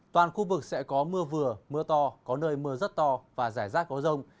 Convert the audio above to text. toàn khu vực sẽ có mưa vừa mưa to có nơi mưa rất to và rải rác có rông